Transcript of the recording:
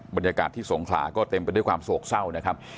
บรรยากาศที่สงขลาก็เต็มไปด้วยความโศกเศร้านะครับ